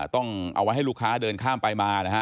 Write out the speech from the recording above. ต้องเอาไว้ให้ลูกค้าเดินข้ามไปมานะฮะ